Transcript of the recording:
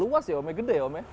luar biasa ya om gede ya om ya